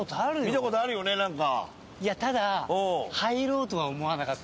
見た事あるよね何か。